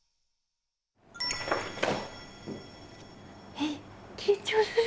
えっ緊張する。